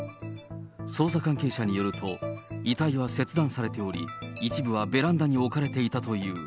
捜査関係者によると、遺体は切断されており、一部はベランダに置かれていたという。